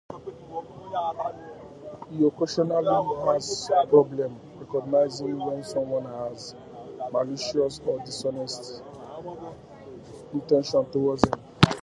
He occasionally has problems recognizing when someone has malicious or dishonest intentions towards him.